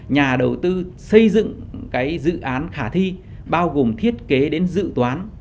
nhà đầu tư xây dựng cái dự án khả thi bao gồm thiết kế đến dự toán